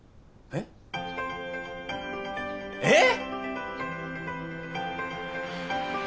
えっ！？あっ！